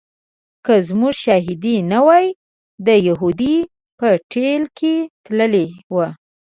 که زموږ شاهدي نه وای د یهودي په ټېل کې تللی و.